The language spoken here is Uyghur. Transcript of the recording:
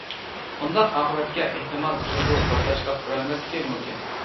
مۇنداق ئاقىۋەتكە ئېھتىمال جۇڭگو بەرداشلىق بېرەلمەسلىكى مۇمكىن.